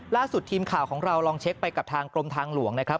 ล่าสุดทีมข่าวของเราลองเช็คไปกับทางกรมทางหลวงนะครับ